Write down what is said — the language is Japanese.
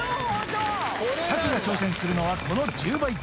拓が挑戦するのは、この１０倍。